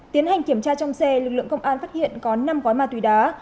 tiến hành kiểm tra trong xe lực lượng công an phát hiện có năm gói ma túy đá